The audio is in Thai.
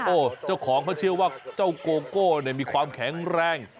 โอ้โหเจ้าของเขาเชื่อว่าเจ้าโกโก้เนี่ยมีความแข็งแรง